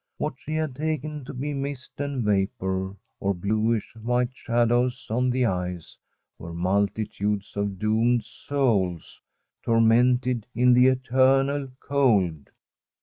What she had taken to be mist and vapour, or bluish white shadows on the ice, were multitudes of doomed souls, tormented in the eternal cold.